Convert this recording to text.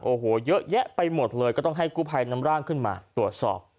โอ้โหเยอะแยะไปหมดเลยก็ต้องให้กู้ภัยนำร่างขึ้นมาตรวจสอบ